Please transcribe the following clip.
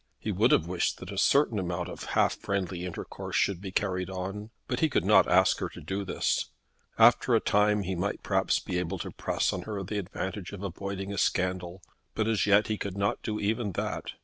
He would have wished that a certain amount of half friendly intercourse should be carried on; but he could not ask her to do this. After a time he might perhaps be able to press on her the advantage of avoiding a scandal, but as yet he could not do even that.